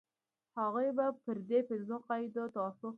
هغوی به پر دې پنځو قاعدو توافق وکړي.